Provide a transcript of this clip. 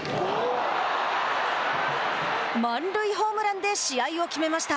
満塁ホームランで試合を決めました。